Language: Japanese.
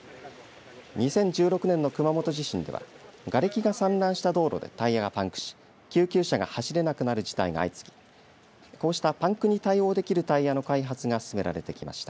２０１６年の熊本地震ではがれきが散乱した道路でタイヤがパンクし救急車が走れくなる事態が相次ぎこうしたパンクに対応できるタイヤの開発が進められてきました。